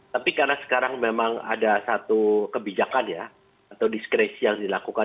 tapi karena sekarang memang ada satu kebijakan ya atau diskresi yang dilakukan